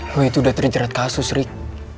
lo itu udah terjerat kasus rick